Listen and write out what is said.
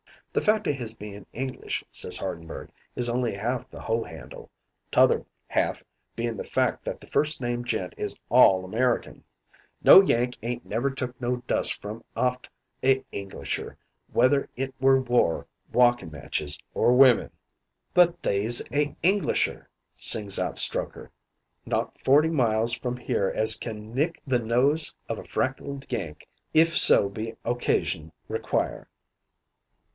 "'The fact o' his bein' English,' says Hardenberg, 'is only half the hoe handle. 'Tother half being the fact that the first named gent is all American. No Yank ain't never took no dust from aft a Englisher, whether it were war, walkin' matches, or women.' "'But they's a Englisher,' sings out Strokher, 'not forty miles from here as can nick the nose o' a freckled Yank if so be occasion require.'